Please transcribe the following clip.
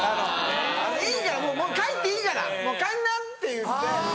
「いいからもう帰っていいから帰んな」って言って。